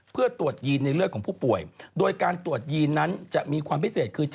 เพื่อตรวจยีนในเลือดของผู้ป่วยโดยการตรวจยีนนั้นจะมีความพิเศษคือ